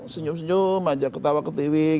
senyum senyum aja ketawa ketiwi